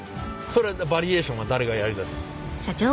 それバリエーションは誰がやりだした？